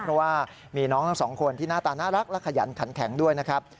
เพราะว่ามีน้องทั้งสองคนที่หน้าตาน่ารักและขยันขันแข็งด้วยนะครับ